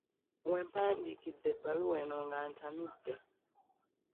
We mpandiikidde ebbaluwa eno nga ntamidde.